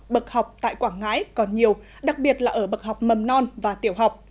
bậc học tại quảng ngãi còn nhiều đặc biệt là ở bậc học mầm non và tiểu học